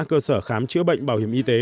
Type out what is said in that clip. cơ sở khám chữa bệnh bảo hiểm y tế